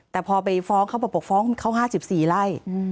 แต่พอไปฟ้องเขาบอกฟ้องเขา๕๔ไร่